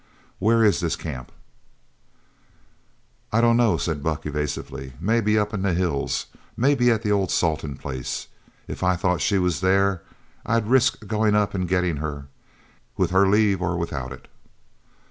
Where is this camp?" "I dunno," said Buck evasively. "Maybe up in the hills. Maybe at the old Salton place. If I thought she was there, I'd risk goin' up and gettin' her with her leave or without it!"